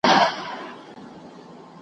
او په ګلڅانګو کي له تاکه پیمانې وي وني .